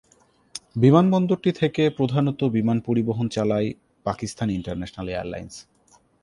বিমানবন্দরটি থেকে প্রধানত বিমান পরিবহন চালায় পাকিস্তান ইন্টারন্যাশনাল এয়ারলাইন্স।